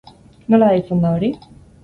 Nola deitzen da hori?